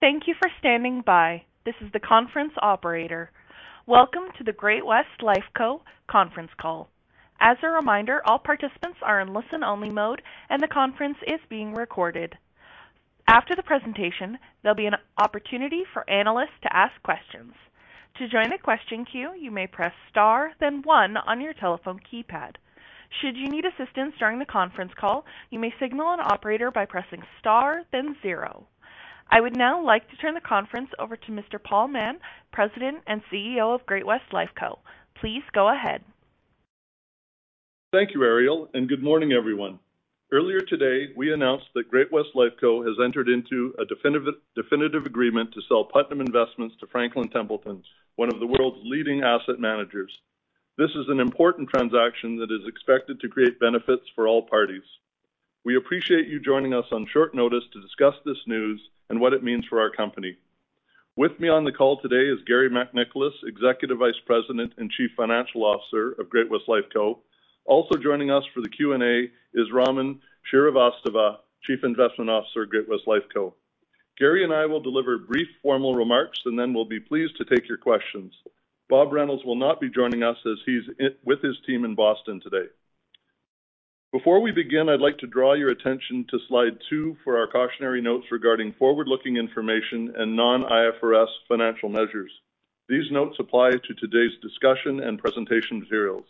Thank you for standing by. This is the conference operator. Welcome to the Great-West Lifeco Conference Call. As a reminder, all participants are in listen-only mode, and the conference is being recorded. After the presentation, there will be an opportunity for analysts to ask questions. To join the question queue, you may press star, then one on your telephone keypad. Should you need assistance during the conference call, you may signal an operator by pressing star, then zero. I would now like to turn the conference over to Mr. Paul Mahon, President and CEO of Great-West Lifeco. Please go ahead. Thank you, Ariel. Good morning, everyone. Earlier today, we announced that Great-West Lifeco has entered into a definitive agreement to sell Putnam Investments to Franklin Templeton, one of the world's leading asset managers. This is an important transaction that is expected to create benefits for all parties. We appreciate you joining us on short notice to discuss this news and what it means for our company. With me on the call today is Garry McNicholas, Executive Vice President and Chief Financial Officer of Great-West Lifeco. Also joining us for the Q&A is Raman Srivastava, Chief Investment Officer of Great-West Lifeco. Garry and I will deliver brief formal remarks. We'll be pleased to take your questions. Bob Reynolds will not be joining us as he's with his team in Boston today. Before we begin, I'd like to draw your attention to Slide 2 for our cautionary notes regarding forward-looking information and non-IFRS financial measures. These notes apply to today's discussion and presentation materials.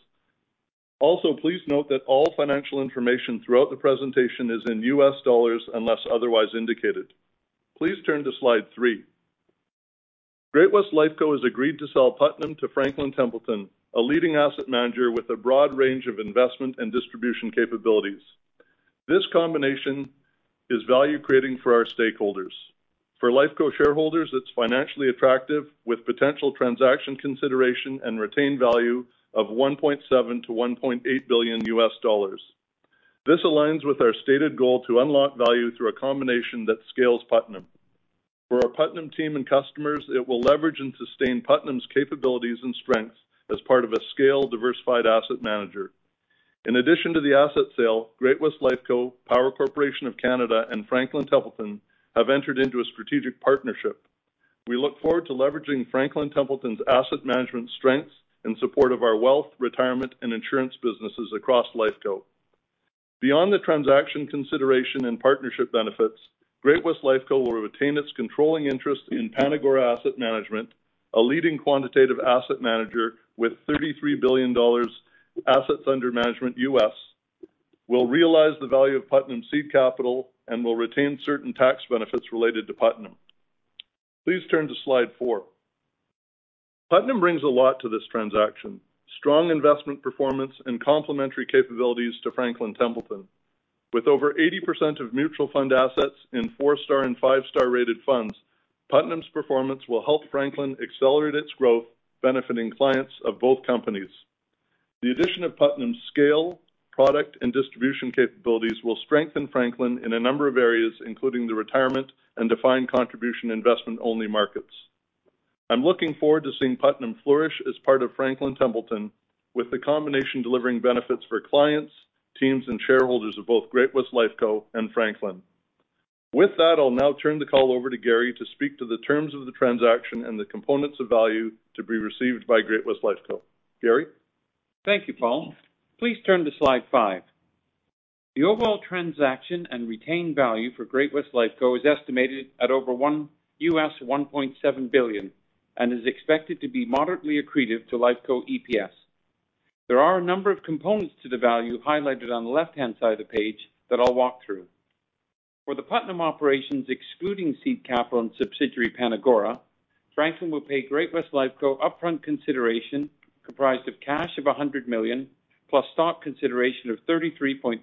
Please note that all financial information throughout the presentation is in U.S. dollars, unless otherwise indicated. Please turn to Slide 3. Great-West Lifeco has agreed to sell Putnam to Franklin Templeton, a leading asset manager with a broad range of investment and distribution capabilities. This combination is value-creating for our stakeholders. For Lifeco Shareholders, it's financially attractive, with potential transaction consideration and retained value of $1.7 billion-$1.8 billion. This aligns with our stated goal to unlock value through a combination that scales Putnam. For our Putnam team and customers, it will leverage and sustain Putnam's capabilities and strengths as part of a scaled, diversified asset manager. In addition to the asset sale, Great-West Lifeco, Power Corporation of Canada, and Franklin Templeton have entered into a strategic partnership. We look forward to leveraging Franklin Templeton's asset management strengths in support of our wealth, retirement, and insurance businesses across Lifeco. Beyond the transaction consideration and partnership benefits, Great-West Lifeco will retain its controlling interest in PanAgora Asset Management, a leading quantitative asset manager with $33 billion dollars assets under management U.S., will realize the value of Putnam seed capital and will retain certain tax benefits related to Putnam. Please turn to Slide 4. Putnam brings a lot to this transaction. Strong investment performance and complementary capabilities to Franklin Templeton. With over 80% of mutual fund assets in 4-star and 5-star rated funds, Putnam's performance will help Franklin accelerate its growth, benefiting clients of both companies. The addition of Putnam's scale, product, and distribution capabilities will strengthen Franklin in a number of areas, including the retirement and defined contribution investment-only markets. I'm looking forward to seeing Putnam flourish as part of Franklin Templeton, with the combination delivering benefits for clients, teams, and shareholders of both Great-West Lifeco and Franklin. With that, I'll now turn the call over to Garry to speak to the terms of the transaction and the components of value to be received by Great-West Lifeco. Garry? Thank you, Paul. Please turn to Slide 5. The overall transaction and retained value for Great-West Lifeco is estimated at over $1.7 billion and is expected to be moderately accretive to Lifeco EPS. There are a number of components to the value highlighted on the left-hand side of the page that I'll walk through. For the Putnam operations, excluding seed capital and subsidiary PanAgora, Franklin will pay Great-West Lifeco upfront consideration, comprised of cash of $100 million, plus stock consideration of 33.3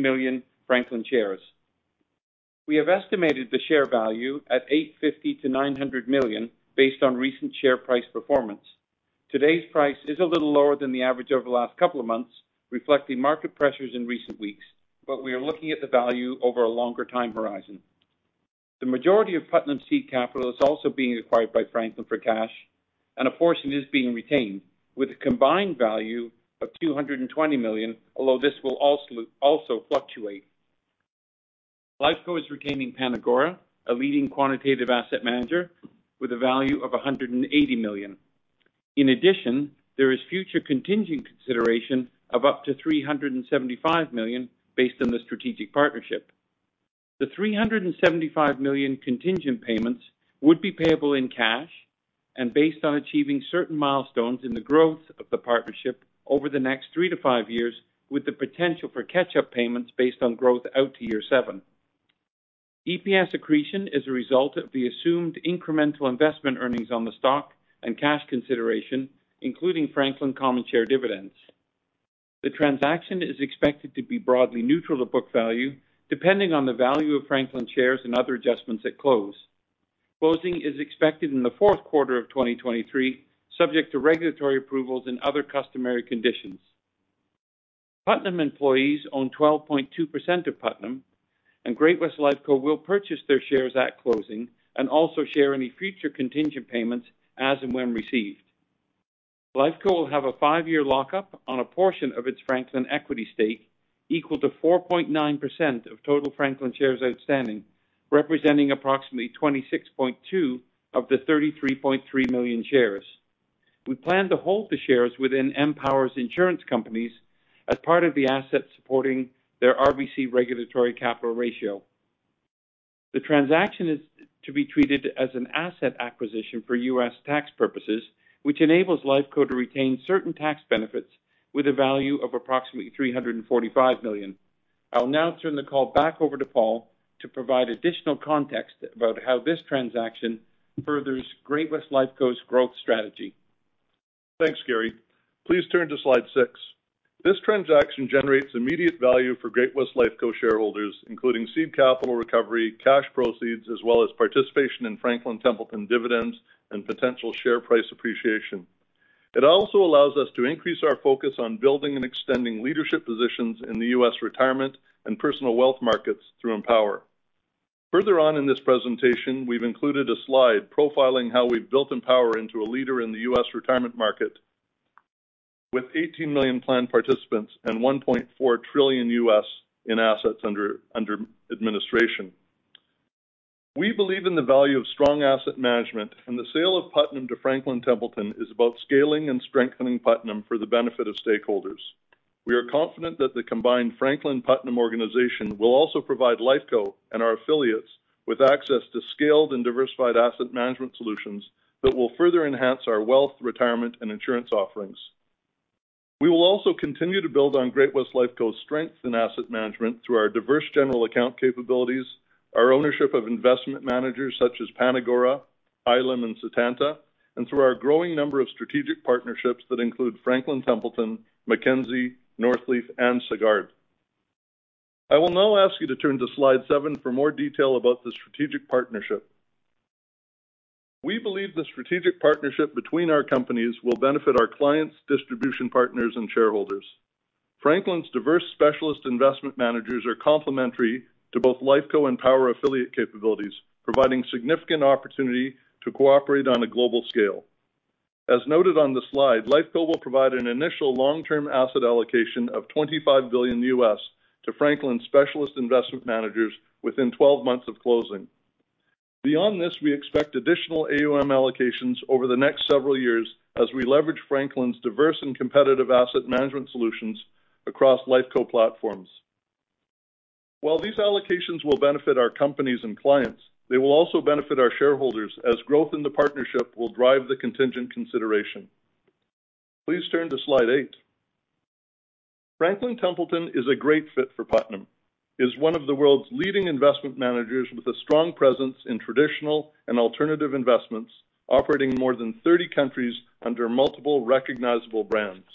million Franklin shares. We have estimated the share value at $850 million-$900 million based on recent share price performance. Today's price is a little lower than the average over the last couple of months, reflecting market pressures in recent weeks, but we are looking at the value over a longer time horizon. The majority of Putnam's seed capital is also being acquired by Franklin for cash, and a portion is being retained with a combined value of $220 million, although this will also fluctuate. Lifeco is retaining PanAgora, a leading quantitative asset manager, with a value of $180 million. In addition, there is future contingent consideration of up to $375 million based on the strategic partnership. The $375 million contingent payments would be payable in cash and based on achieving certain milestones in the growth of the partnership over the next 3-5 years, with the potential for catch-up payments based on growth out to year 7. EPS accretion is a result of the assumed incremental investment earnings on the stock and cash consideration, including Franklin common share dividends. The transaction is expected to be broadly neutral to book value, depending on the value of Franklin shares and other adjustments at close. Closing is expected in the fourth quarter of 2023, subject to regulatory approvals and other customary conditions. Putnam employees own 12.2% of Putnam, and Great-West Lifeco will purchase their shares at closing and also share any future contingent payments as and when received. Life Co will have a 5-year lockup on a portion of its Franklin Equity stake, equal to 4.9% of total Franklin shares outstanding, representing approximately 26.2 of the 33.3 million shares. We plan to hold the shares within Empower's insurance companies as part of the assets supporting their RBC regulatory capital ratio. The transaction is to be treated as an asset acquisition for U.S. tax purposes, which enables Lifeco to retain certain tax benefits with a value of approximately $345 million. I'll now turn the call back over to Paul to provide additional context about how this transaction furthers Great-West Lifeco's growth strategy. Thanks, Garry. Please turn to Slide 6. This transaction generates immediate value for Great-West Lifeco shareholders, including seed capital recovery, cash proceeds, as well as participation in Franklin Templeton dividends, and potential share price appreciation. It also allows us to increase our focus on building and extending leadership positions in the U.S. retirement and personal wealth markets through Empower. Further on in this presentation, we've included a slide profiling how we've built Empower into a leader in the U.S. retirement market, with 18 million plan participants and $1.4 trillion in assets under administration. We believe in the value of strong asset management. The sale of Putnam to Franklin Templeton is about scaling and strengthening Putnam for the benefit of stakeholders. We are confident that the combined Franklin Putnam organization will also provide Lifeco. Our affiliates with access to scaled and diversified asset management solutions that will further enhance our wealth, retirement, and insurance offerings. We will also continue to build on Great-West Lifeco's strength in asset management through our diverse general account capabilities, our ownership of investment managers such as PanAgora, ILIM, and Setanta, and through our growing number of strategic partnerships that include Franklin Templeton, Mackenzie, Northleaf, and Sagard. I will now ask you to turn to Slide 7 for more detail about the strategic partnership. We believe the strategic partnership between our companies will benefit our clients, distribution partners, and shareholders. Franklin's diverse specialist investment managers are complementary to both Lifeco and Power affiliate capabilities, providing significant opportunity to cooperate on a global scale. As noted on the slide, Lifeco. will provide an initial long-term asset allocation of $25 billion to Franklin's specialist investment managers within 12 months of closing. Beyond this, we expect additional AUM allocations over the next several years as we leverage Franklin's diverse and competitive asset management solutions across Lifeco platforms. While these allocations will benefit our companies and clients, they will also benefit our shareholders, as growth in the partnership will drive the contingent consideration. Please turn to Slide 8. Franklin Templeton is a great fit for Putnam, as one of the world's leading investment managers with a strong presence in traditional and alternative investments, operating in more than 30 countries under multiple recognizable brands.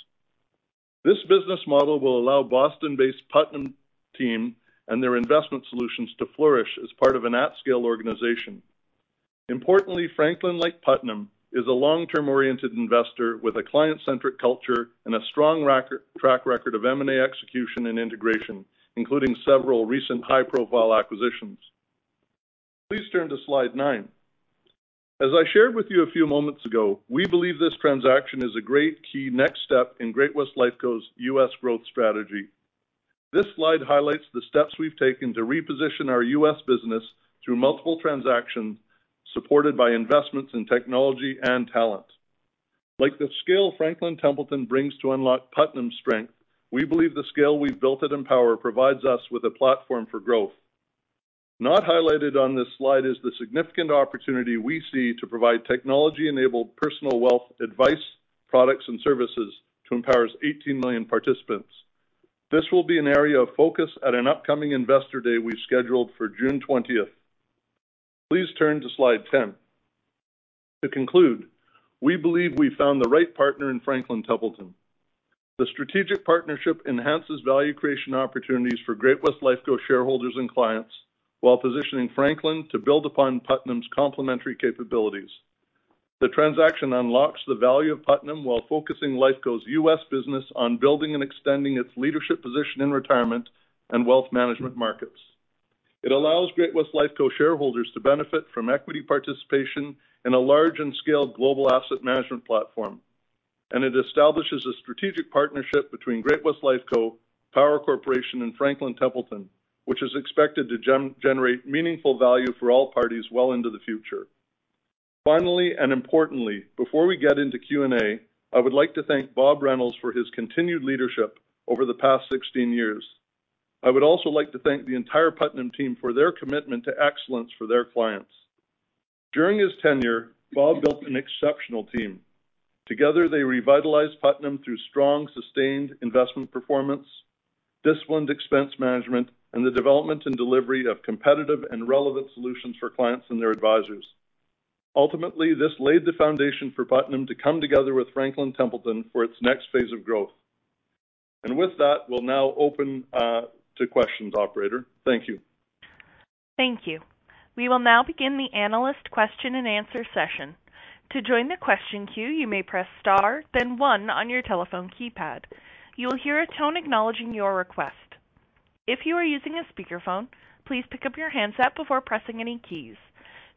This business model will allow Boston-based Putnam team and their investment solutions to flourish as part of an at-scale organization. Importantly, Franklin, like Putnam, is a long-term oriented investor with a client-centric culture and a strong track record of M&A execution and integration, including several recent high-profile acquisitions. Please turn to Slide 9. As I shared with you a few moments ago, we believe this transaction is a great key next step in Great-West Lifeco's U.S. growth strategy. This slide highlights the steps we've taken to reposition our U.S. business through multiple transactions, supported by investments in technology and talent. Like the scale Franklin Templeton brings to unlock Putnam's strength, we believe the scale we've built at Empower provides us with a platform for growth. Not highlighted on this slide is the significant opportunity we see to provide technology-enabled personal wealth advice, products, and services to Empower's 18 million participants. This will be an area of focus at an upcoming Investor Day we've scheduled for June 20th. Please turn to Slide 10. To conclude, we believe we found the right partner in Franklin Templeton. The strategic partnership enhances value creation opportunities for Great-West Lifeco shareholders and clients, while positioning Franklin to build upon Putnam's complementary capabilities. The transaction unlocks the value of Putnam while focusing Lifeco's U.S. business on building and extending its leadership position in retirement and wealth management markets. It allows Great-West Lifeco shareholders to benefit from equity participation in a large and scaled global asset management platform. It establishes a strategic partnership between Great-West Lifeco, Power Corporation, and Franklin Templeton, which is expected to generate meaningful value for all parties well into the future. Finally, and importantly, before we get into Q&A, I would like to thank Bob Reynolds for his continued leadership over the past 16 years. I would also like to thank the entire Putnam team for their commitment to excellence for their clients. During his tenure, Bob built an exceptional team. Together, they revitalized Putnam through strong, sustained investment performance, disciplined expense management, and the development and delivery of competitive and relevant solutions for clients and their advisors. Ultimately, this laid the foundation for Putnam to come together with Franklin Templeton for its next phase of growth. With that, we'll now open to questions, operator. Thank you. Thank you. We will now begin the analyst question and answer session. To join the question queue, you may press star, then one on your telephone keypad. You will hear a tone acknowledging your request.... If you are using a speakerphone, please pick up your handset before pressing any keys.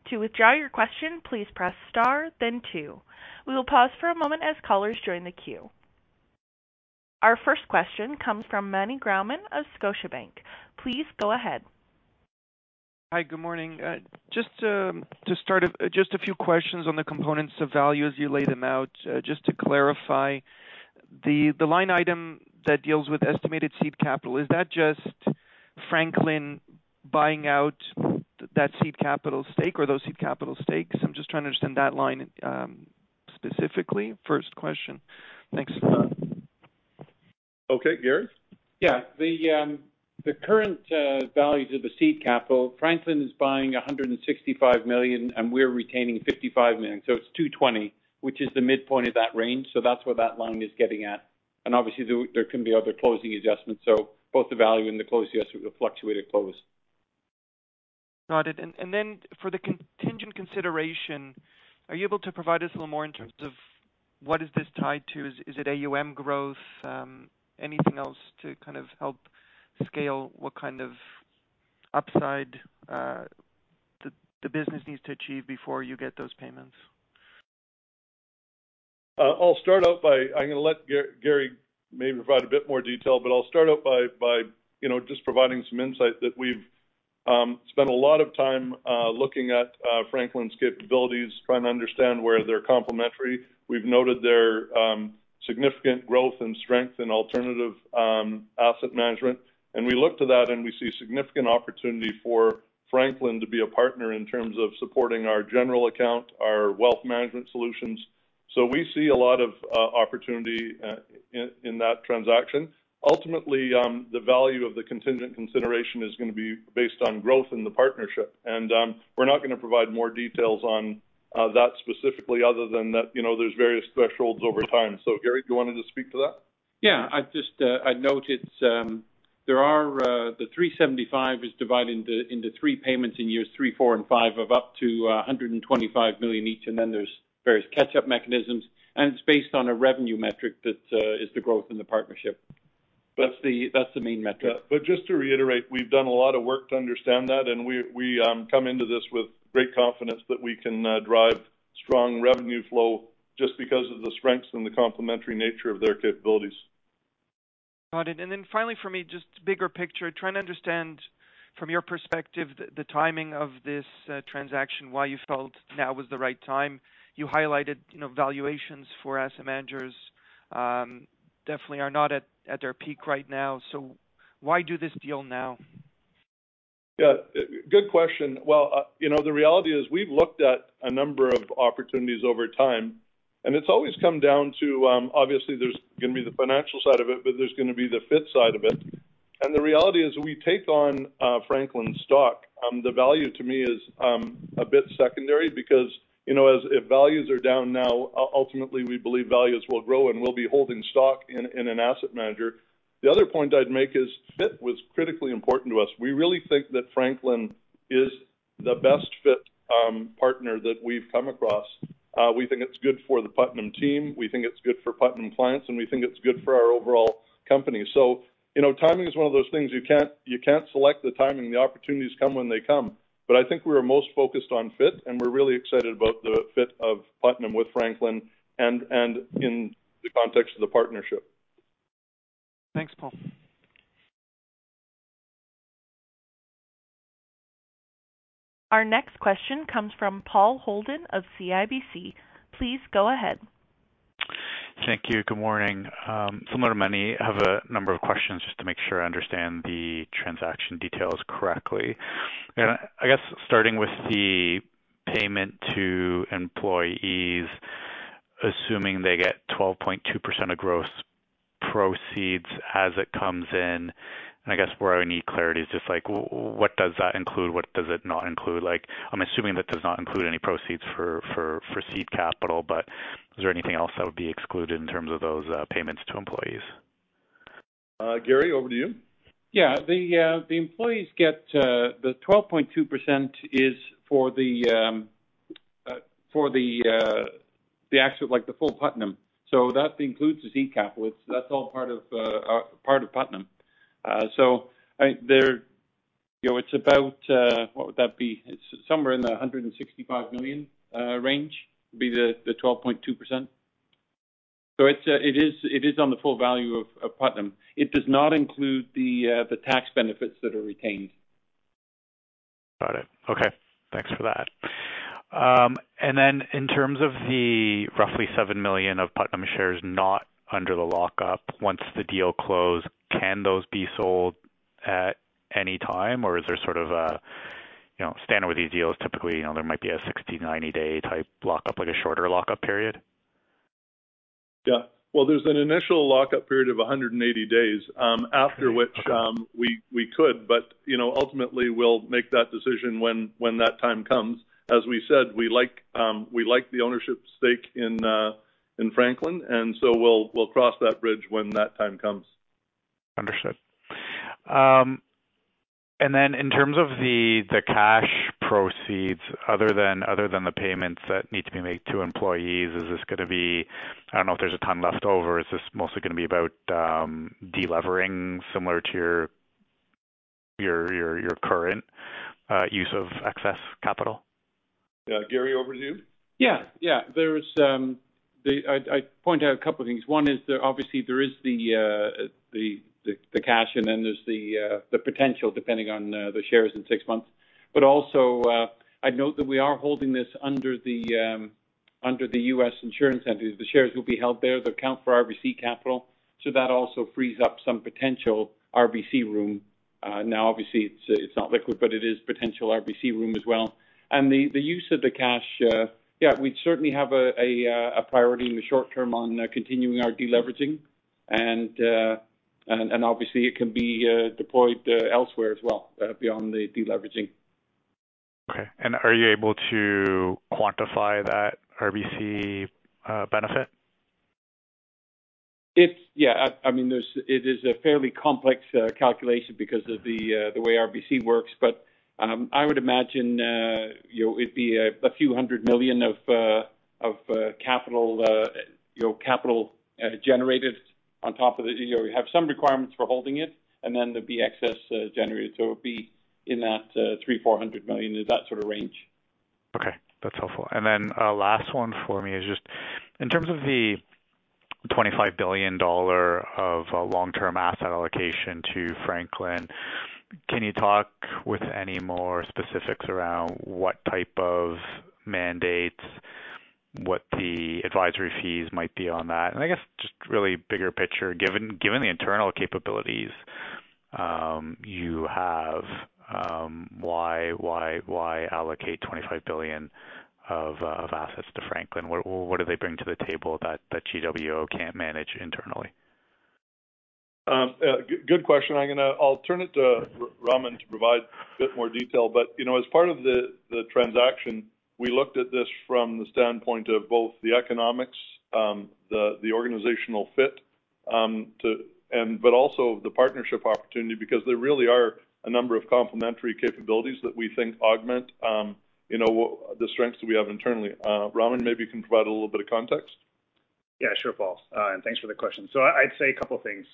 To withdraw your question, please press star, then two. We will pause for a moment as callers join the queue. Our first question comes from Meny Grauman of Scotiabank. Please go ahead. Hi, good morning. Just to start, just a few questions on the components of value as you laid them out. Just to clarify, the line item that deals with estimated seed capital, is that just Franklin buying out that seed capital stake or those seed capital stakes? I'm just trying to understand that line specifically. First question. Thanks for that. Okay, Garry? Yeah. The current values of the seed capital, Franklin is buying $165 million, and we're retaining $55 million, it's $220 million, which is the midpoint of that range. That's where that line is getting at. Obviously, there can be other closing adjustments, so both the value and the close, yes, will fluctuate at close. Got it. Then for the contingent consideration, are you able to provide us a little more in terms of what is this tied to? Is it AUM growth? Anything else to kind of help scale, what kind of upside the business needs to achieve before you get those payments? I'll start out by. I'm gonna let Garry maybe provide a bit more detail, but I'll start out by, you know, just providing some insight that we've spent a lot of time looking at Franklin's capabilities, trying to understand where they're complementary. We've noted their significant growth and strength in alternative asset management. We look to that, and we see significant opportunity for Franklin to be a partner in terms of supporting our general account, our wealth management solutions. We see a lot of opportunity in that transaction. Ultimately, the value of the contingent consideration is gonna be based on growth in the partnership. We're not gonna provide more details on that specifically other than that, you know, there's various thresholds over time. Garry, do you want to just speak to that? Yeah. I'd just, I'd note it's, there are, the $375 is divided into 3 payments in years 3, 4, and 5 of up to, $125 million each, and then there's various catch-up mechanisms, and it's based on a revenue metric that, is the growth in the partnership. That's the main metric. just to reiterate, we've done a lot of work to understand that, and we come into this with great confidence that we can drive strong revenue flow just because of the strengths and the complementary nature of their capabilities. Got it. Finally for me, just bigger picture, trying to understand from your perspective, the timing of this transaction, why you felt now was the right time. You highlighted, you know, valuations for asset managers, definitely are not at their peak right now, why do this deal now? Yeah, good question. Well, you know, the reality is we've looked at a number of opportunities over time, and it's always come down to, obviously there's gonna be the financial side of it, but there's gonna be the fit side of it. The reality is, we take on Franklin stock, the value to me is a bit secondary because, you know, as if values are down now, ultimately, we believe values will grow, and we'll be holding stock in an asset manager. The other point I'd make is fit was critically important to us. We really think that Franklin is the best fit partner that we've come across. We think it's good for the Putnam team, we think it's good for Putnam clients, and we think it's good for our overall company. You know, timing is one of those things you can't select the timing. The opportunities come when they come. I think we're most focused on fit, and we're really excited about the fit of Putnam with Franklin and in the context of the partnership. Thanks, Paul. Our next question comes from Paul Holden of CIBC. Please go ahead. Thank you. Good morning. Similar to Meny, I have a number of questions just to make sure I understand the transaction details correctly. I guess starting with the payment to employees, assuming they get 12.2% of gross proceeds as it comes in, I guess where I need clarity is just like, what does that include? What does it not include? Like, I'm assuming that does not include any proceeds for seed capital, but is there anything else that would be excluded in terms of those payments to employees? Garry, over to you. Yeah. The employees get the 12.2% is for the actual, like, the full Putnam. That includes the seed capital. That's all part of Putnam. I, there, you know, it's about, what would that be? It's somewhere in the $165 million range, would be the 12.2%. It is on the full value of Putnam. It does not include the tax benefits that are retained. Got it. Okay, thanks for that. Then in terms of the roughly $7 million of Putnam shares, not under the lockup, once the deal closed, can those be sold at any time, or is there sort of a, you know, standard with these deals, typically, you know, there might be a 60, 90-day type lockup, like a shorter lock-up period? Well, there's an initial lock-up period of 180 days, after which we could, but, you know, ultimately we'll make that decision when that time comes. As we said, we like the ownership stake in Franklin, so we'll cross that bridge when that time comes. Understood. In terms of the cash proceeds, other than the payments that need to be made to employees, is this gonna be, I don't know if there's a ton left over, is this mostly gonna be about deleveraging similar to your current use of excess capital? Yeah, Garry, over to you. Yeah, yeah. I'd point out a couple of things. One is that obviously there is the cash, and then there's the potential, depending on the shares in six months. Also, I'd note that we are holding this under the U.S. Insurance Entities. The shares will be held there. They'll account for RBC Capital, so that also frees up some potential RBC room. Now, obviously, it's not liquid, but it is potential RBC room as well. The use of the cash, yeah, we'd certainly have a priority in the short term on continuing our deleveraging. Obviously it can be deployed elsewhere as well, beyond the deleveraging. Okay. Are you able to quantify that RBC benefit? It's. Yeah, I mean, there's, it is a fairly complex calculation because of the way RBC works. I would imagine, you know, it'd be a few hundred million of capital generated on top of the. You know, we have some requirements for holding it, and then there'd be excess generated. It would be in that 300 million-400 million, in that sort of range. Okay, that's helpful. Then, last one for me is just in terms of the $25 billion of long-term asset allocation to Franklin, can you talk with any more specifics around what type of mandates, what the advisory fees might be on that? I guess just really bigger picture, given the internal capabilities, you have, why allocate $25 billion of assets to Franklin? What do they bring to the table that GWO can't manage internally? Good question. I'll turn it to Raman to provide a bit more detail. You know, as part of the transaction, we looked at this from the standpoint of both the economics, the organizational fit, and but also the partnership opportunity, because there really are a number of complementary capabilities that we think augment, you know, the strengths that we have internally. Raman, maybe you can provide a little bit of context? Yeah, sure, Paul. Thanks for the question. I'd say a couple things.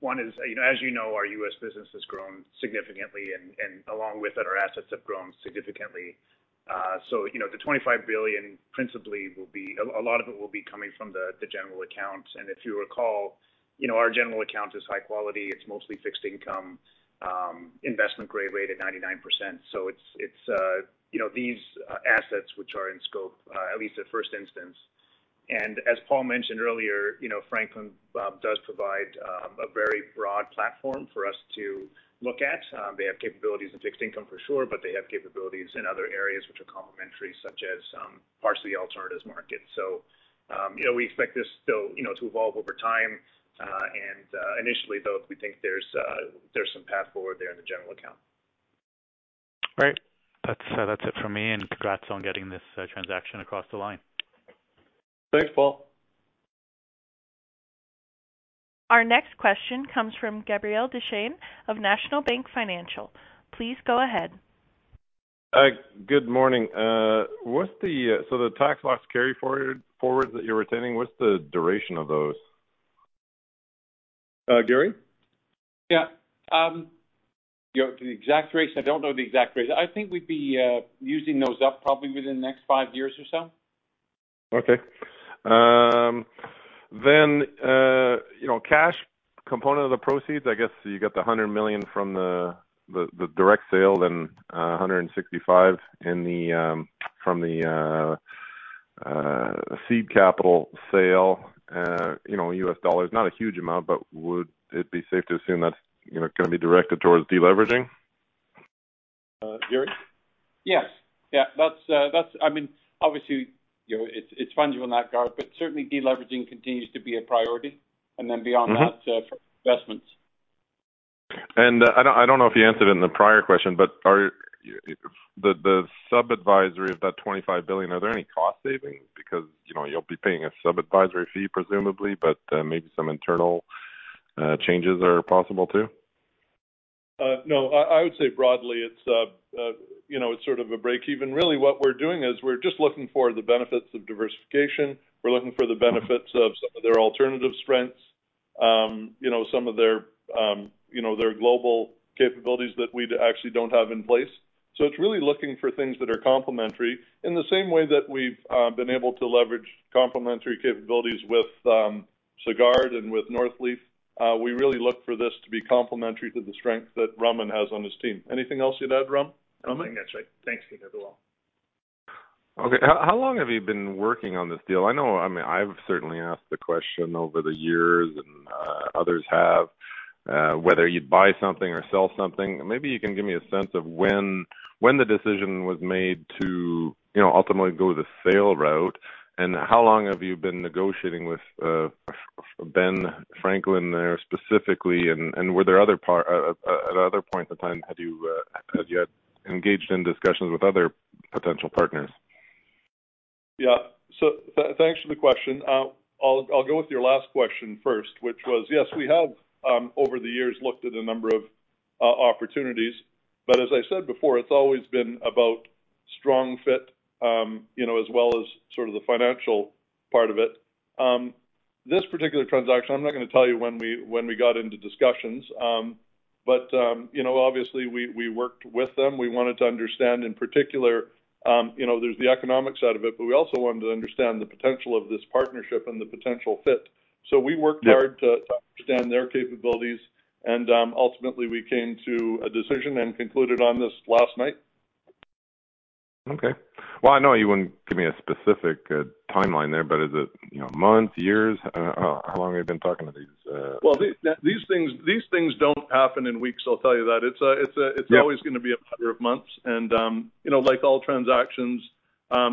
One is, you know, as you know, our U.S. business has grown significantly, and along with it, our assets have grown significantly. You know, the $25 billion principally will be a lot of it coming from the general account. If you recall, you know, our general account is high quality. It's mostly fixed income, investment-grade rated 99%. It's, you know, these assets which are in scope, at least at first instance. As Paul mentioned earlier, you know, Franklin does provide a very broad platform for us to look at. They have capabilities in fixed income for sure, they have capabilities in other areas which are complementary, such as partially alternatives market. You know, we expect this still, you know, to evolve over time. Initially, though, we think there's some path forward there in the general account. Great. That's it from me, and congrats on getting this transaction across the line. Thanks, Paul. Our next question comes from Gabriel Dechaine of National Bank Financial. Please go ahead. Good morning. What's the so the tax loss carry forward that you're retaining, what's the duration of those? Garry? Yeah. you know, the exact duration, I don't know the exact duration. I think we'd be using those up probably within the next five years or so. Okay. You know, cash component of the proceeds, I guess you got the $100 million from the direct sale, then, $165 from the seed capital sale, you know, U.S. dollars. Not a huge amount, but would it be safe to assume that's, you know, gonna be directed towards deleveraging? Garry? Yes. Yeah, that's, I mean, obviously, you know, it's fungible in that regard, but certainly deleveraging continues to be a priority, and then beyond that. Mm-hmm for investments. I don't know if you answered it in the prior question, but are the sub-advisory of that $25 billion, are there any cost savings? Because, you know, you'll be paying a sub-advisory fee, presumably, but maybe some internal changes are possible too. No, I would say broadly, it's, you know, it's sort of a break even. Really what we're doing is we're just looking for the benefits of diversification. We're looking for the benefits of some of their alternative strengths, you know, some of their, you know, their global capabilities that we actually don't have in place. It's really looking for things that are complementary in the same way that we've been able to leverage complementary capabilities with Sagard and with Northleaf. We really look for this to be complementary to the strength that Raman has on his team. Anything else you'd add, Ram? Raman? I think that's right. Thanks, Gabriel. Okay. How long have you been working on this deal? I know, I mean, I've certainly asked the question over the years, and others have, whether you'd buy something or sell something. Maybe you can give me a sense of when the decision was made to, you know, ultimately go the sale route, and how long have you been negotiating with Franklin Templeton there specifically, and were there other at other points in time, had you engaged in discussions with other potential partners? Yeah. Thanks for the question. I'll go with your last question first, which was, yes, we have, over the years, looked at a number of opportunities. As I said before, it's always been about strong fit, you know, as well as sort of the financial part of it. This particular transaction, I'm not gonna tell you when we, when we got into discussions, you know, obviously we worked with them. We wanted to understand, in particular, you know, there's the economic side of it, but we also wanted to understand the potential of this partnership and the potential fit. We worked Yeah hard to understand their capabilities, and ultimately, we came to a decision and concluded on this last night. Okay. Well, I know you wouldn't give me a specific timeline there, but is it, you know, months, years? How long have you been talking to these? Well, these things don't happen in weeks, I'll tell you that. It's a. Yeah It's always gonna be a matter of months. You know, like all transactions,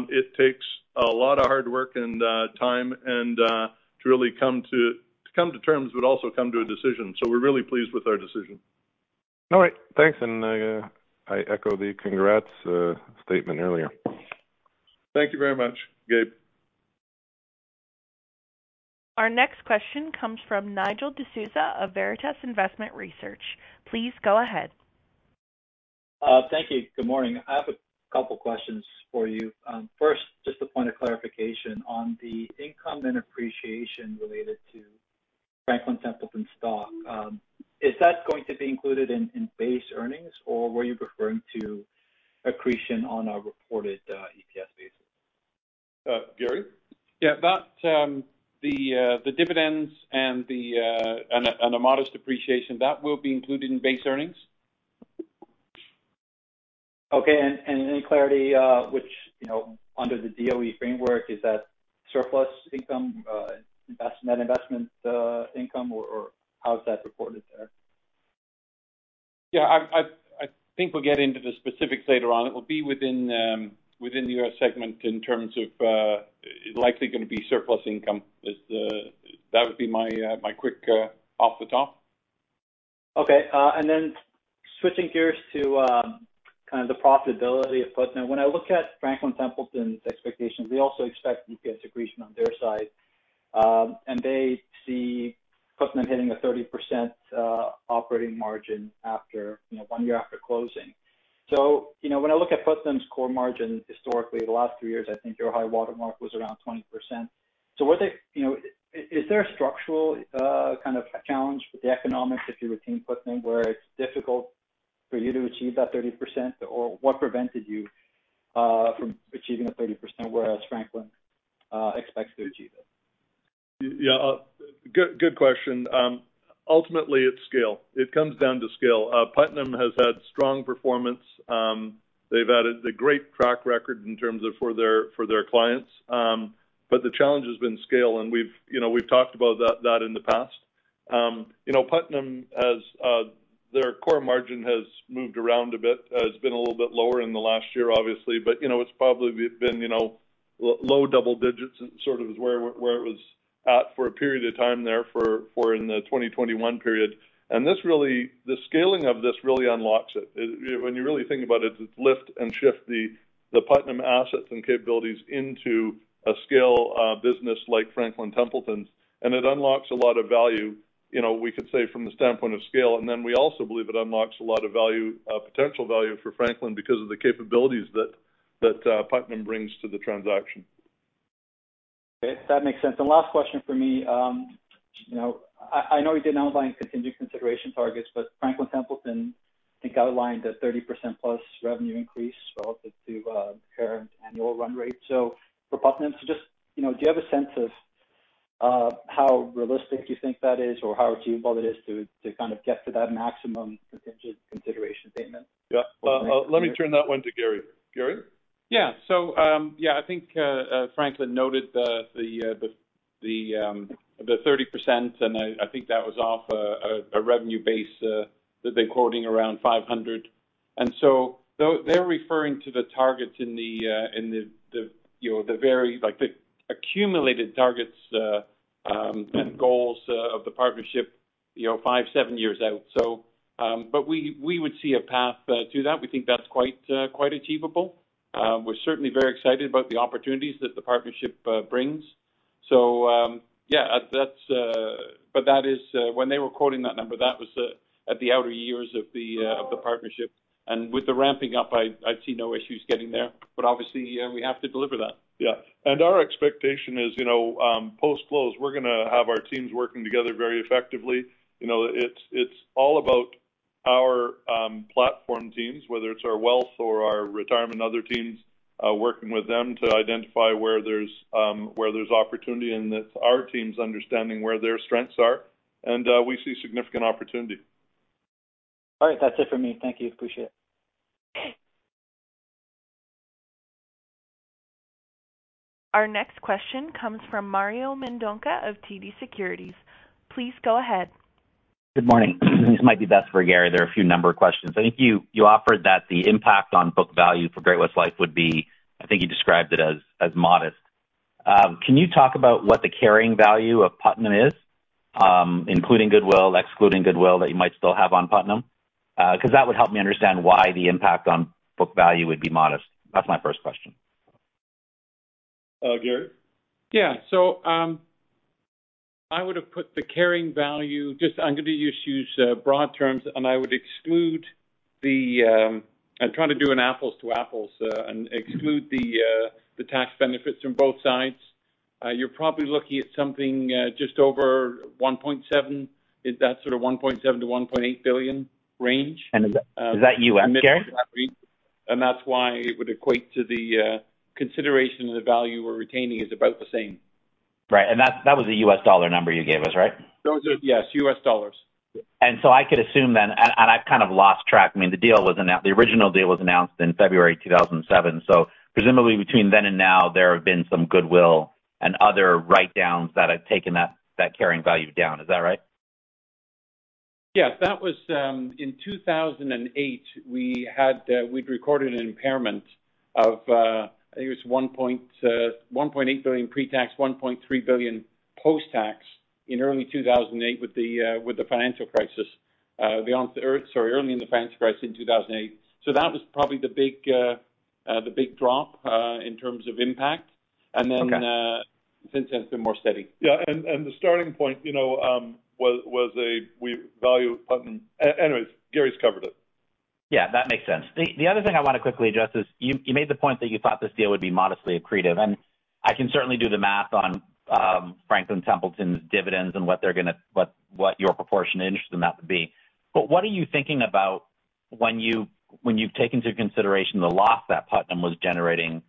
it takes a lot of hard work and time to really come to terms, but also come to a decision. We're really pleased with our decision. All right. Thanks, I echo the congrats statement earlier. Thank you very much, Gabe. Our next question comes from Nigel D'Souza of Veritas Investment Research. Please go ahead. Thank you. Good morning. I have a couple questions for you. First, just a point of clarification. On the income and appreciation related to Franklin Templeton stock, is that going to be included in base earnings, or were you referring to accretion on a reported EPS basis? Garry? That, the dividends and a modest appreciation, that will be included in base earnings. Okay. Any clarity, which, you know, under the DOE framework, is that surplus income, net investment, income, or how is that reported there? Yeah, I think we'll get into the specifics later on. It will be within the U.S. segment in terms of, likely gonna be surplus income. That would be my quick off the top. Okay. Switching gears to kind of the profitability of Putnam. When I look at Franklin Templeton's expectations, they also expect EPS accretion on their side, and they see Putnam hitting a 30% operating margin after, you know, one year after closing. You know, when I look at Putnam's core margin, historically, the last three years, I think your high watermark was around 20%. Were they... You know, is there a structural, kind of challenge with the economics, if you retain Putnam, where it's difficult for you to achieve that 30%? What prevented you from achieving the 30%, whereas Franklin expects to achieve it? Yeah, good question. Ultimately, it's scale. It comes down to scale. Putnam has had strong performance. They've added a great track record in terms of for their clients. The challenge has been scale, and we've, you know, we've talked about that in the past. You know, Putnam as, their core margin has moved around a bit, has been a little bit lower in the last year, obviously. You know, it's probably been, you know, low double digits, sort of is where it was at for a period of time there for in the 2021 period. This really, the scaling of this really unlocks it. When you really think about it's lift and shift the Putnam assets and capabilities into a scale business like Franklin Templeton's, and it unlocks a lot of value, you know, we could say, from the standpoint of scale. Then we also believe it unlocks a lot of value, potential value for Franklin because of the capabilities that Putnam brings to the transaction. Okay, that makes sense. Last question for me, you know, I know you didn't outline continued consideration targets, but Franklin Templeton, I think, outlined a 30%+ revenue increase relative to current annual run rate. For Putnam, just, you know, do you have a sense of how realistic you think that is, or how achievable it is to kind of get to that maximum contingent consideration payment? Yeah. Let me turn that one to Garry. Garry? Yeah. Yeah, I think Franklin noted the 30%, and I think that was off a revenue base that they're quoting around $500. Though they're referring to the targets in the, in the, you know, the very, like, the accumulated targets and goals of the partnership, you know, five, seven years out. But we would see a path to that. We think that's quite achievable. We're certainly very excited about the opportunities that the partnership brings. Yeah, that's. But that is, when they were quoting that number, that was at the outer years of the partnership. With the ramping up, I see no issues getting there, but obviously, we have to deliver that. Yeah. Our expectation is, you know, post-close, we're gonna have our teams working together very effectively. You know, it's all about our platform teams, whether it's our wealth or our retirement and other teams, working with them to identify where there's, where there's opportunity. It's our teams understanding where their strengths are. We see significant opportunity. All right, that's it for me. Thank you. Appreciate it. Our next question comes from Mario Mendonca of TD Securities. Please go ahead. Good morning. This might be best for Garry. There are a few number of questions. I think you offered that the impact on book value for Great-West Life would be, I think you described it as modest. Can you talk about what the carrying value of Putnam is, including goodwill, excluding goodwill, that you might still have on Putnam? Because that would help me understand why the impact on book value would be modest. That's my first question. Garry? Yeah. I would have put the carrying value, just I'm going to just use broad terms, and I would exclude the, I'm trying to do an apples to apples, and exclude the tax benefits from both sides. You're probably looking at something just over $1.7 billion, is that sort of $1.7 billion-$1.8 billion range. And is that, is that U.S., Garry? That's why it would equate to the consideration of the value we're retaining is about the same. Right. That was a U.S. dollar number you gave us, right? Those are, yes, U.S. dollars. I could assume then, and I've kind of lost track. I mean, the original deal was announced in February 2007. Presumably between then and now, there have been some goodwill and other write-downs that have taken that carrying value down. Is that right? Yes. That was in 2008, we had we'd recorded an impairment of, I think it was $1.8 billion pre-tax, $1.3 billion post-tax in early 2008 with the financial crisis, or sorry, early in the financial crisis in 2008. That was probably the big drop in terms of impact. Okay. Since then, it's been more steady. Yeah, and the starting point, you know, was we value Putnam. Anyways, Garry's covered it. Yeah, that makes sense. The other thing I want to quickly address is, you made the point that you thought this deal would be modestly accretive, and I can certainly do the math on Franklin Templeton's dividends and what your proportionate interest in that would be. What are you thinking about when you, when you've taken into consideration the loss that Putnam was generating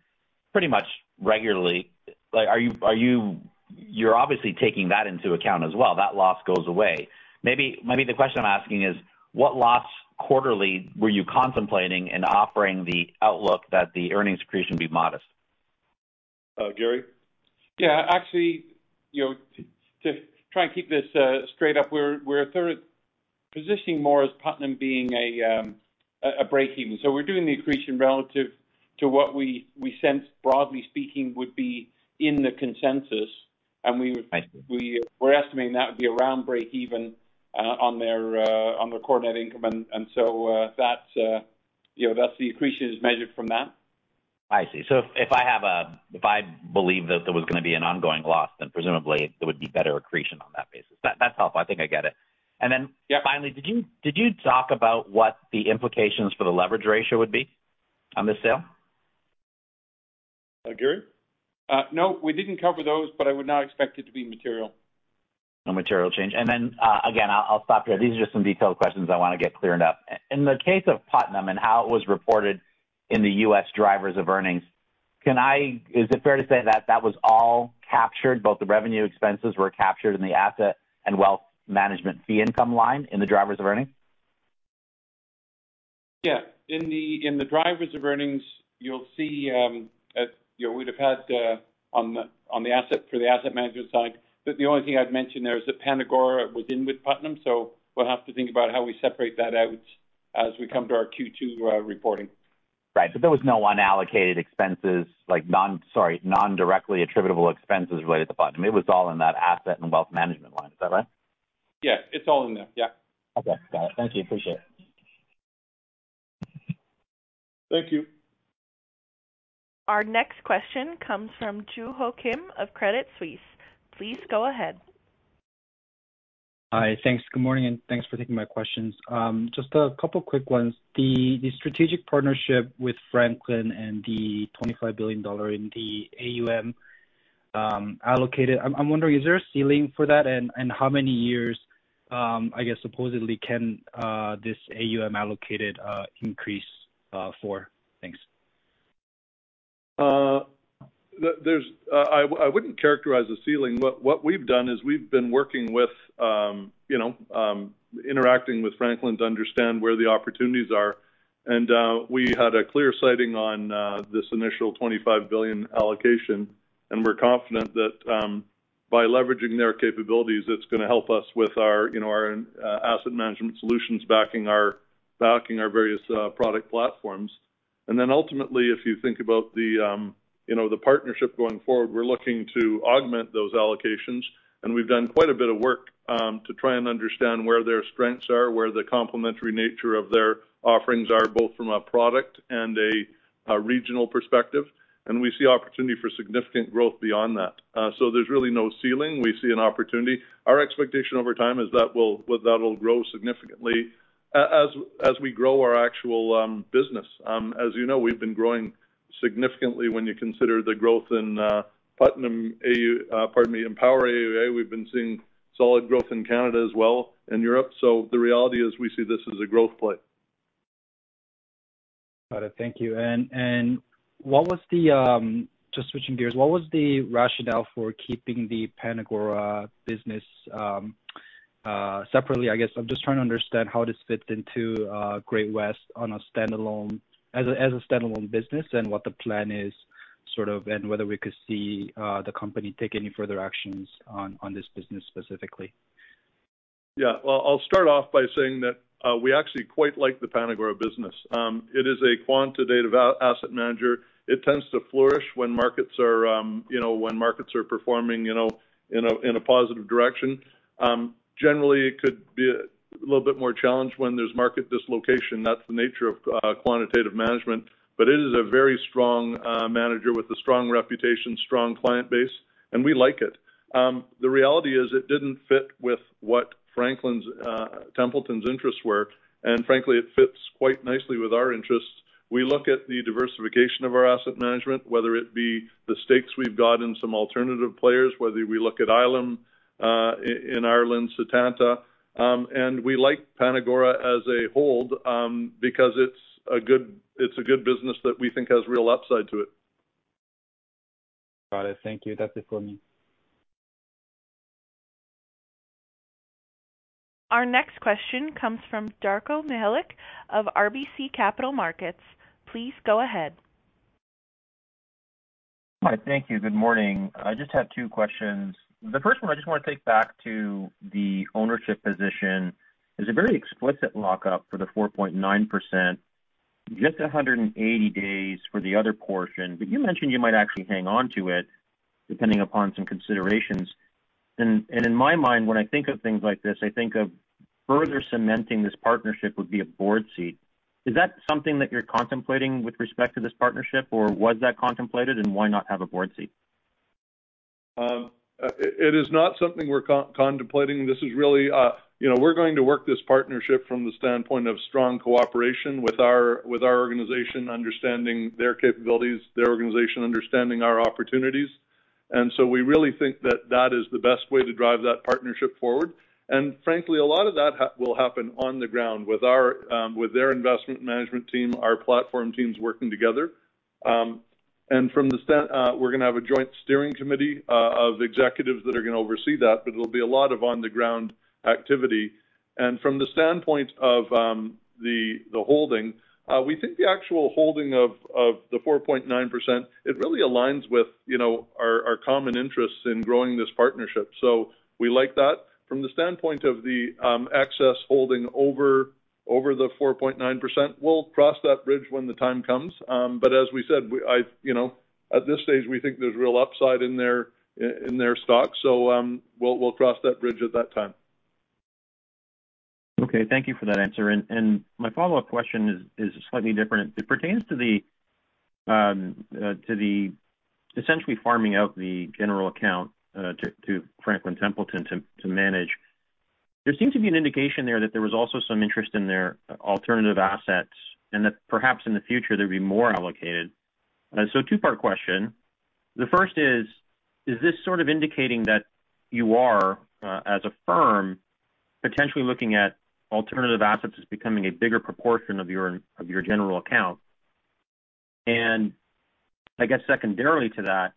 pretty much regularly? Like, are you... You're obviously taking that into account as well. That loss goes away. Maybe the question I'm asking is, what loss quarterly were you contemplating in offering the outlook that the earnings accretion be modest? Garry? Yeah, actually, you know, to try and keep this, straight up, we're third positioning more as Putnam being a breakeven. We're doing the accretion relative to what we sense, broadly speaking, would be in the consensus, and we're estimating that would be around breakeven on their core net income. That's, you know, that's the accretion is measured from that. I see. If I believe that there was gonna be an ongoing loss, then presumably there would be better accretion on that basis. That's helpful. I think I get it. Yeah. Finally, did you talk about what the implications for the leverage ratio would be on this sale? Garry? No, we didn't cover those, but I would not expect it to be material. No material change. Again, I'll stop here. These are just some detailed questions I want to get cleared up. In the case of Putnam and how it was reported in the U.S. drivers of earnings, is it fair to say that that was all captured, both the revenue expenses were captured in the asset and wealth management fee income line in the drivers of earnings? Yeah. In the drivers of earnings, you'll see, as, you know, we'd have had, on the asset management side, but the only thing I'd mention there is that PanAgora was in with Putnam, so we'll have to think about how we separate that out as we come to our Q2 reporting. Right. There was no unallocated expenses, like sorry, non-directly attributable expenses related to Putnam. It was all in that asset and wealth management line. Is that right? Yeah, it's all in there. Yeah. Okay. Got it. Thank you. Appreciate it. Thank you. Our next question comes from Joo Ho Kim of Credit Suisse. Please go ahead. Hi. Thanks. Good morning, and thanks for taking my questions. Just a couple quick ones. The strategic partnership with Franklin and the $25 billion in the AUM allocated, I'm wondering, is there a ceiling for that? How many years, I guess, supposedly, can this AUM allocated increase for? Thanks. There's, I wouldn't characterize a ceiling. What we've done is we've been working with, you know, interacting with Franklin to understand where the opportunities are. We had a clear sighting on this initial $25 billion allocation, and we're confident that, by leveraging their capabilities, it's gonna help us with our, you know, our asset management solutions, backing our various product platforms. Ultimately, if you think about the, you know, the partnership going forward, we're looking to augment those allocations, we've done quite a bit of work to try and understand where their strengths are, where the complementary nature of their offerings are, both from a product and a regional perspective. We see opportunity for significant growth beyond that. There's really no ceiling. We see an opportunity. Our expectation over time is that, well, that'll grow significantly as we grow our actual business. As you know, we've been growing significantly when you consider the growth in Putnam AUM, pardon me, in Power AUM. We've been seeing solid growth in Canada as well, and Europe. The reality is we see this as a growth play. Got it. Thank you. Just switching gears, what was the rationale for keeping the PanAgora business separately? I guess I'm just trying to understand how this fits into Great-West as a standalone business and what the plan is, sort of, and whether we could see the company take any further actions on this business specifically. Yeah, well, I'll start off by saying that we actually quite like the PanAgora business. It is a quantitative asset manager. It tends to flourish when markets are, you know, when markets are performing, you know, in a positive direction. Generally, it could be a little bit more challenged when there's market dislocation. That's the nature of quantitative management, but it is a very strong manager with a strong reputation, strong client base, and we like it. The reality is, it didn't fit with what Franklin Templeton's interests were, and frankly, it fits quite nicely with our interests. We look at the diversification of our asset management, whether it be the stakes we've got in some alternative players, whether we look at ILIM in Ireland, Setanta. We like PanAgora as a hold, because it's a good business that we think has real upside to it. Got it. Thank you. That's it for me. Our next question comes from Darko Mihelic of RBC Capital Markets. Please go ahead. Hi, thank you. Good morning. I just have two questions. The first one, I just want to take back to the ownership position. There's a very explicit lockup for the 4.9%, just 180 days for the other portion. You mentioned you might actually hang on to it, depending upon some considerations. In my mind, when I think of things like this, I think of further cementing this partnership would be a board seat. Is that something that you're contemplating with respect to this partnership, or was that contemplated, and why not have a board seat? It is not something we're contemplating. This is really, you know, we're going to work this partnership from the standpoint of strong cooperation with our, with our organization, understanding their capabilities, their organization, understanding our opportunities. We really think that that is the best way to drive that partnership forward. Frankly, a lot of that will happen on the ground with our, with their investment management team, our platform teams working together. From the standpoint, we're going to have a joint steering committee of executives that are going to oversee that, but it'll be a lot of on-the-ground activity. From the standpoint of the holding, we think the actual holding of the 4.9%, it really aligns with, you know, our common interests in growing this partnership. We like that. From the standpoint of the access holding over the 4.9%, we'll cross that bridge when the time comes. As we said, you know, at this stage, we think there's real upside in their stock. We'll cross that bridge at that time. Okay, thank you for that answer. My follow-up question is slightly different. It pertains to the essentially farming out the general account to Franklin Templeton to manage. There seems to be an indication there that there was also some interest in their alternative assets, and that perhaps in the future, there'd be more allocated. Two-part question. The first is this sort of indicating that you are as a firm, potentially looking at alternative assets as becoming a bigger proportion of your general account? I guess secondarily to that,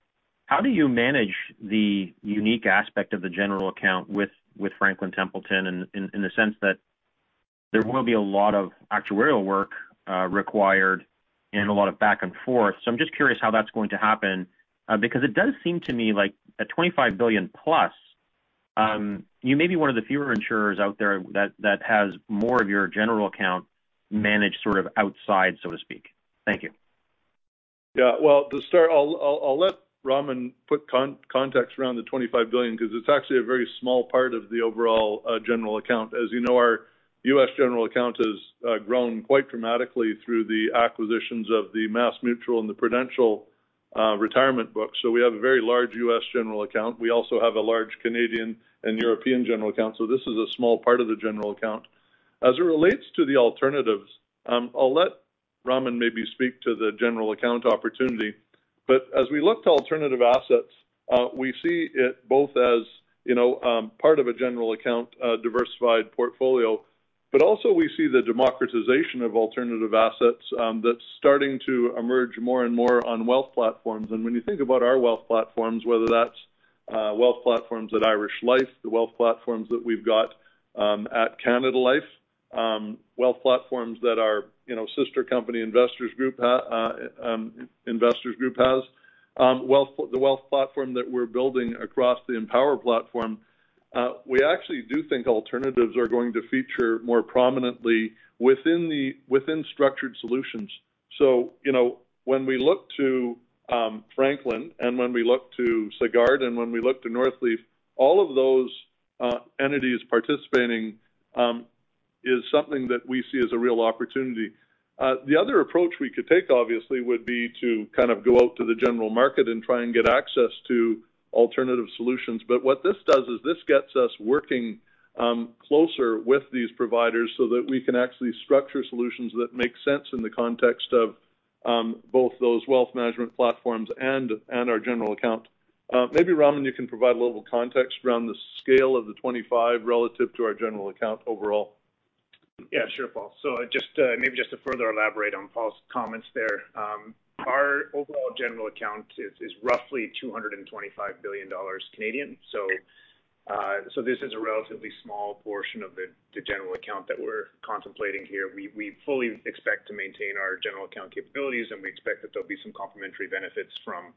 how do you manage the unique aspect of the general account with Franklin Templeton in the sense that there will be a lot of actuarial work required and a lot of back and forth? I'm just curious how that's going to happen, because it does seem to me like $25 billion plus, you may be one of the fewer insurers out there that has more of your general account managed sort of outside, so to speak. Thank you. Yeah. Well, to start, I'll let Raman put context around $25 billion, because it's actually a very small part of the overall general account. As you know, our U.S. general account has grown quite dramatically through the acquisitions of the MassMutual and the Prudential retirement book. We have a very large U.S. general account. We also have a large Canadian and European general account, this is a small part of the general account. As it relates to the alternatives, I'll let Raman maybe speak to the general account opportunity, but as we look to alternative assets, we see it both as, you know, part of a general account, diversified portfolio, but also we see the democratization of alternative assets that's starting to emerge more and more on wealth platforms. When you think about our wealth platforms, whether that's wealth platforms at Irish Life, the wealth platforms that we've got at Canada Life, wealth platforms that our, you know, sister company, Investors Group has, the wealth platform that we're building across the Empower platform, we actually do think alternatives are going to feature more prominently within structured solutions. You know, when we look to Franklin, when we look to Sagard, and when we look to Northleaf, all of those entities participating is something that we see as a real opportunity. The other approach we could take, obviously, would be to kind of go out to the general market and try and get access to alternative solutions. What this does is this gets us working closer with these providers so that we can actually structure solutions that make sense in the context of both those wealth management platforms and our general account. Maybe, Raman, you can provide a little context around the scale of the $25 billion relative to our general account overall. Yeah, sure, Paul. Just maybe just to further elaborate on Paul's comments there. Our overall general account is roughly 225 billion Canadian dollars. This is a relatively small portion of the general account that we're contemplating here. We fully expect to maintain our general account capabilities, and we expect that there'll be some complementary benefits from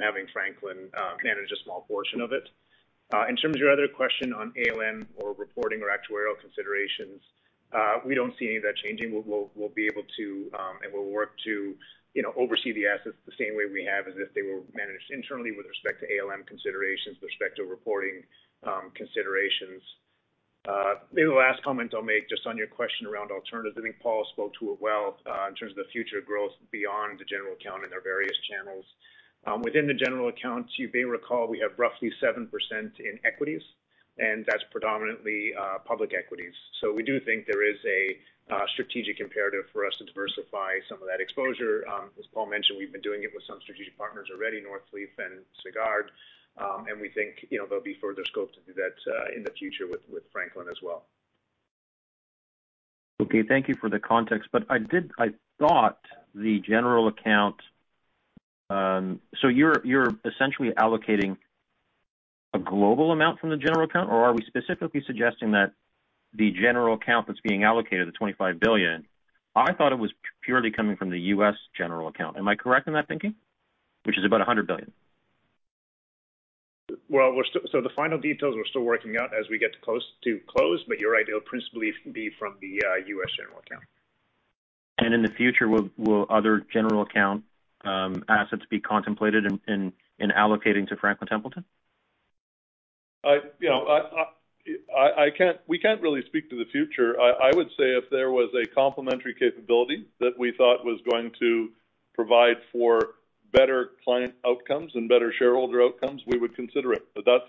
having Franklin manage a small portion of it. In terms of your other question on ALM or reporting or actuarial considerations, we don't see any of that changing. We'll be able to, and we'll work to, you know, oversee the assets the same way we have as if they were managed internally with respect to ALM considerations, with respect to reporting, considerations. Maybe the last comment I'll make just on your question around alternatives. I think Paul spoke to it well, in terms of the future growth beyond the general account and their various channels. Within the general accounts, you may recall we have roughly 7% in equities, and that's predominantly public equities. We do think there is a strategic imperative for us to diversify some of that exposure. As Paul mentioned, we've been doing it with some strategic partners already, Northleaf and Sagard. We think, you know, there'll be further scope to do that in the future with Franklin as well. Okay. Thank you for the context. I thought the general account. You're essentially allocating a global amount from the general account, or are we specifically suggesting that the general account that's being allocated, the $25 billion? I thought it was purely coming from the U.S. general account. Am I correct in that thinking? Which is about $100 billion. Well, the final details, we're still working out as we get close to close, but you're right, it'll principally be from the U.S. general account. In the future, will other general account assets be contemplated in allocating to Franklin Templeton? I, you know, we can't really speak to the future. I would say if there was a complementary capability that we thought was going to provide for better client outcomes and better shareholder outcomes, we would consider it. That's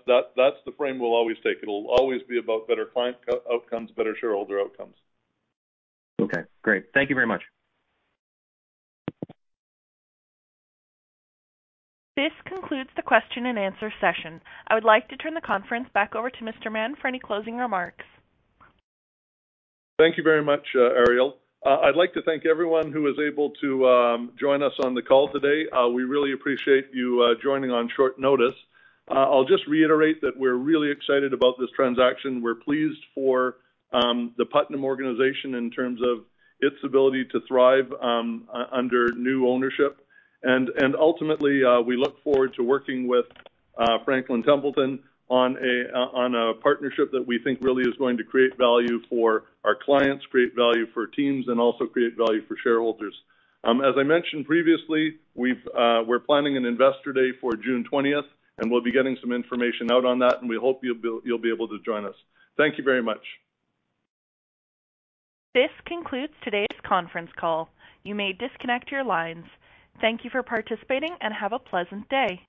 the frame we'll always take. It'll always be about better client outcomes, better shareholder outcomes. Okay, great. Thank you very much. This concludes the question and answer session. I would like to turn the conference back over to Mr. Mahon for any closing remarks. Thank you very much, Ariel. I'd like to thank everyone who was able to join us on the call today. We really appreciate you joining on short notice. I'll just reiterate that we're really excited about this transaction. We're pleased for the Putnam organization in terms of its ability to thrive under new ownership. Ultimately, we look forward to working with Franklin Templeton on a partnership that we think really is going to create value for our clients, create value for teams, and also create value for shareholders. As I mentioned previously, we've, we're planning an Investor Day for June 20th, and we'll be getting some information out on that, and we hope you'll be able to join us. Thank you very much. This concludes today's conference call. You may disconnect your lines. Thank you for participating and have a pleasant day.